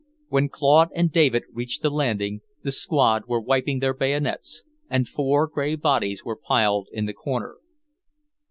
When Claude and David reached the landing, the squad were wiping their bayonets, and four grey bodies were piled in the corner.